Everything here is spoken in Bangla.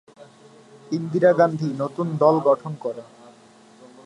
ইন্দিরা গান্ধী নতুন দল গঠন করেন।